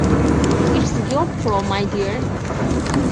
It's your throw, my dear!